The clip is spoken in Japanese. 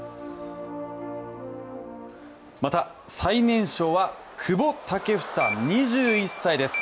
また、最年少は久保建英２１歳です。